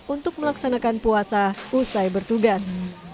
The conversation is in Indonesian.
untuk melaksanakan puasa usai bertugas